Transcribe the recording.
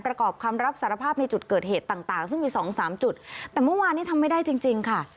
ประกอบคำรับสารภาพในจุดเกิดเหตุต่างต่างซึ่งมีสองสามจุดแต่เมื่อวานนี้ทำไม่ได้จริงจริงค่ะ